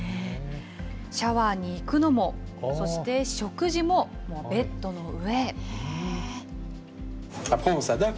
シャワーに行くのも、そして食事も、ベッドの上。